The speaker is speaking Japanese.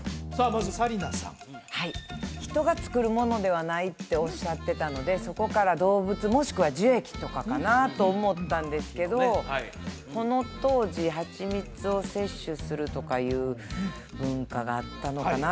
まず紗理奈さんはい人がつくるものではないっておっしゃってたのでそこから動物もしくは樹液とかかなと思ったんですけどこの当時はちみつを摂取するとかいう文化があったのかな